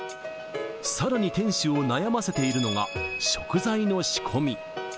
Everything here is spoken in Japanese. さらに店主を悩ませているのが、食材の仕込み。